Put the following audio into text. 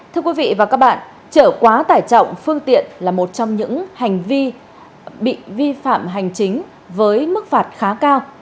thưa quý vị và các bạn trở quá tải trọng phương tiện là một trong những hành vi bị vi phạm hành chính với mức phạt khá cao